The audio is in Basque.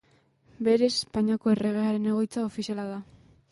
Berez Espainiako Erregearen egoitza ofiziala da.